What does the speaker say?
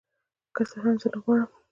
که څه هم زه نغواړم